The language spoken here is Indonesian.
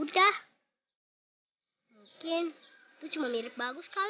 kamu giung ke